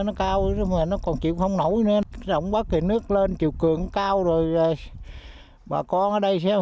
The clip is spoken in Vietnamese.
nó cao rồi nó còn chịu không nổi nữa rộng bất thì nước lên chiều cường cao rồi bà con ở đây sẽ